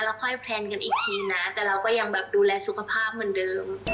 แล้วค่อยแพลนกันอีกทีนะแต่เราก็ยังแบบดูแลสุขภาพเหมือนเดิม